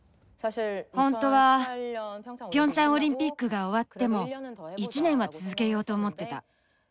本当はピョンチャンオリンピックが終わっても１年は続けようと思ってた。